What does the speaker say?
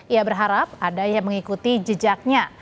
ia berharap ada yang mengikuti jejaknya